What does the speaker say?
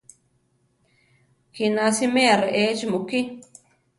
Kina siméa re échi mukí.